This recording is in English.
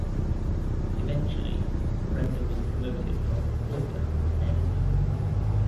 Eventually, Brenda was promoted from reporter to editor.